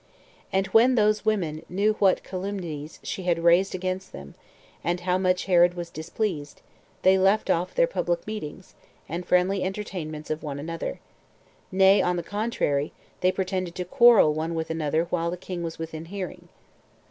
And when those women knew what calumnies she had raised against them, and how much Herod was displeased, they left off their public meetings, and friendly entertainments of one another; nay, on the contrary, they pretended to quarrel one with another when the king was within hearing.